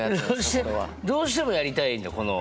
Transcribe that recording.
これは。どうしてもやりたいんだこの。